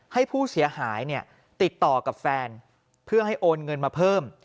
ให้ผู้เสียหายเนี่ยติดต่อกับแฟนเพื่อให้โอนเงินมาเพิ่ม